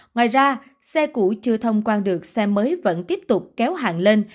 ngoài ra xe cũ chưa thông quan được xe mới vẫn tiếp tục kéo hàng lên